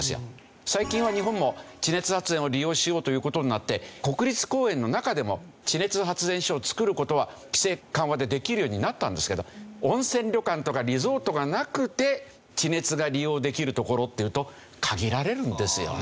最近は日本も地熱発電を利用しようという事になって国立公園の中でも地熱発電所を造る事は規制緩和でできるようになったんですけど温泉旅館とかリゾートがなくて地熱が利用できる所っていうと限られるんですよね。